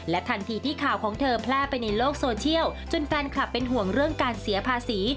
ทันทีที่ข่าวของเธอแพร่ไปในโลกโซเชียลจนแฟนคลับเป็นห่วงเรื่องการเสียภาษี